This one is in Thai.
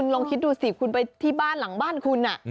ลองคิดดูสิคุณไปที่บ้านหลังบ้านคุณ